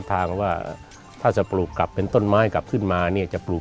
ทางว่าถ้าจะปลูกกลับเป็นต้นไม้กลับขึ้นมาเนี่ยจะปลูก